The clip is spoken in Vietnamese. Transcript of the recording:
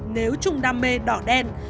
nếu chung đam mê đỏ đen